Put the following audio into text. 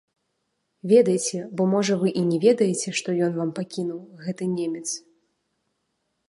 Ведайце, бо можа вы і не ведаеце, што ён вам пакінуў, гэты немец.